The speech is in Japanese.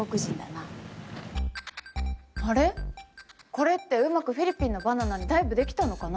これってうまくフィリピンのバナナにダイブできたのかな？